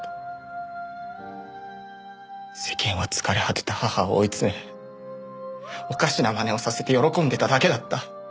世間は疲れ果てた母を追い詰めおかしなまねをさせて喜んでただけだった。